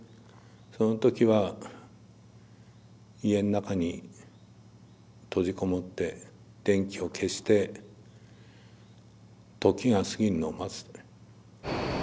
その時は家の中に閉じ籠もって電気を消して時が過ぎるのを待つ。